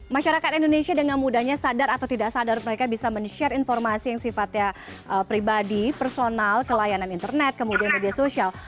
masyarakat indonesia dengan mudahnya sadar atau tidak sadar mereka bisa men share informasi yang sifatnya pribadi personal kelayanan internet kemudian media sosial